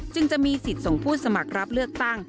จึงจะมีสิทธิ์ส่งผู้สมัครรับเลือกตั้ง